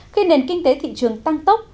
khi nền kinh tế thị trường tăng tốc